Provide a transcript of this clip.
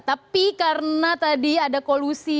tapi karena tadi ada kolusi